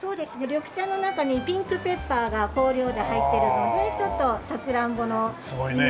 緑茶の中にピンクペッパーが香料で入っているのでちょっとさくらんぼのイメージ。